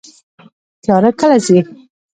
تیاره کله ځي؟